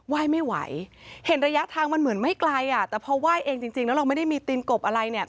ยไม่ไหวเห็นระยะทางมันเหมือนไม่ไกลอ่ะแต่พอไหว้เองจริงจริงแล้วเราไม่ได้มีตีนกบอะไรเนี่ย